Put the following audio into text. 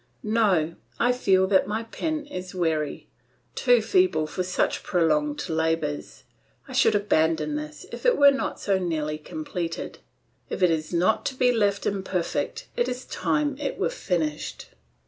No, I feel that my pen is weary. Too feeble for such prolonged labours, I should abandon this if it were not so nearly completed; if it is not to be left imperfect it is time it were finished.